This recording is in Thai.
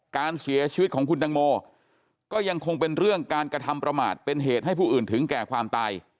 การเสียชีวิตของคุณตังโมก็ยังคงเป็นเรื่องการกระทำประมาทเป็นเหตุให้ผู้อื่นถึงแก่ความตาย